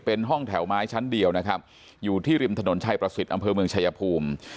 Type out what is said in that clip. เป็นห้องแถวไม้ชั้นเดียวนะครับอยู่ที่ริมถนนชัยประสิทธิ์อำเภอเมืองชายภูมิ